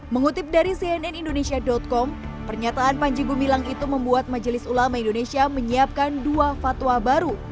mengutip dari cnn indonesia com pernyataan panji gumilang itu membuat majelis ulama indonesia menyiapkan dua fatwa baru